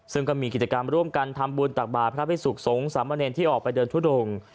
ซึ่งก็มีกิจกรรมร่วมกันทำบุญตักบาทพระพิสุขสงฆ์สามเณรที่ออกไปเดินทุดง